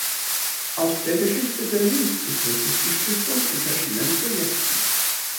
Auch der Geschichte Berlins widmet sich die Stiftung in verschiedenen Projekten.